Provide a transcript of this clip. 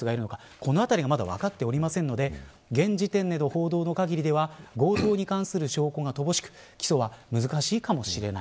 このあたりがまだ分かっていないので現時点での報道のかぎりでは強盗に関する証拠が乏しく起訴は難しいかもしれない。